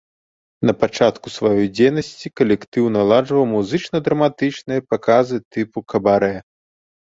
Напачатку сваёй дзейнасці калектыў наладжваў музычна-драматычныя паказы тыпу кабарэ.